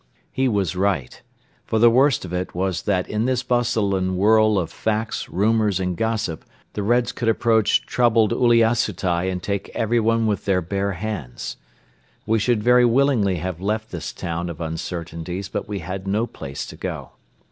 He was right; for the worst of it was that in this bustle and whirl of facts, rumours and gossip the Reds could approach troubled Uliassutai and take everyone with their bare hands. We should very willingly have left this town of uncertainties but we had no place to go.